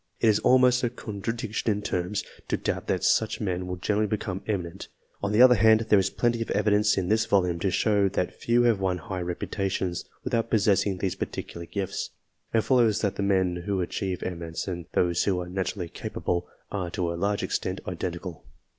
It is almost a contradiction in terms, to doubt that such men will generally become emi nent. On the other hand, there is plenty of evidence in this volume to show that few have won high reputations without possessing these peculiar gifts. It follows that the men who achieve eminence, and those who are naturally capable, are, to a large extent, identical.